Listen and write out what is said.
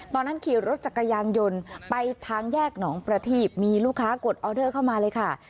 ตอนนั้นขี่รถจักรยานยนต์ไปทางแยกหนองประทีบมีลูกค้ากดออเดอร์เข้ามาเลยค่ะ